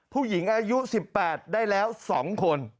ผู้หญิงอายุ๑๘ได้แล้ว๒คน